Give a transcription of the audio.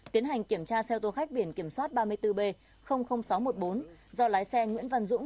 tiến hành kiểm tra xe ô tô khách biển kiểm soát ba mươi bốn b sáu trăm một mươi bốn do lái xe nguyễn văn dũng